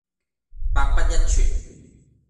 百不一存